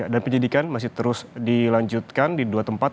dan penyelidikan masih terus dilanjutkan di dua tempat